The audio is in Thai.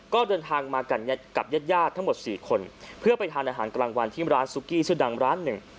ก็เดินทางมากันกับญาติญาติทั้งหมดสี่คนเพื่อไปทานอาหารกลางวันที่ร้านซุกี้ชื่อดังร้านหนึ่ง